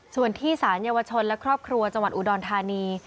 ส่วนที่สารเยาวชนและครอบครัวจังหวัดอุดรธานี